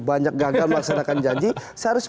banyak gagal melaksanakan janji seharusnya